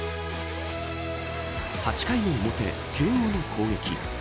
８回の表、慶応の攻撃。